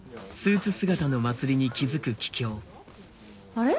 あれ？